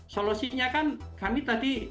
solusinya kan kami tadi